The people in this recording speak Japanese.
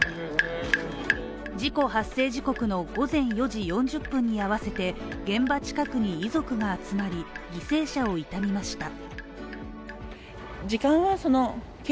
事故発生時刻の午前４時４０分に合わせて、現場近くに遺族が集まり、犠牲者を悼みました。